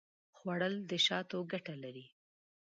خوړل د شاتو ګټه لري